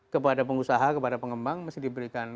kepada pengusaha kepada pengembang mesti diberikan